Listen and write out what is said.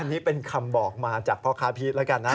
อันนี้เป็นคำบอกมาจากพ่อค้าพีชแล้วกันนะ